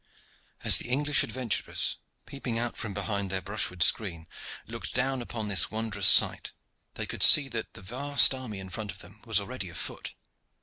As the English adventurers, peeping out from behind their brushwood screen, looked down upon this wondrous sight they could see that the vast army in front of them was already afoot.